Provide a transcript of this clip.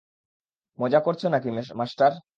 মজা করছো না-কি মাস্টার?